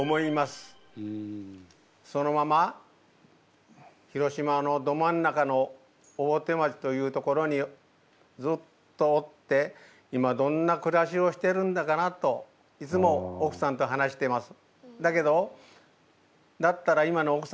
そのまま広島のど真ん中の大手町という所にずっとおって「今どんな暮らしをしてるんだかな」といつもおくさんと話してます。